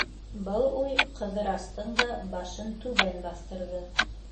Был уй Ҡыҙырастың да башын түбән баҫтырҙы.